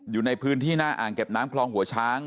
อยู่ในพื้นที่หน้าอ่างเก็บน้ำคลองหัวช้าง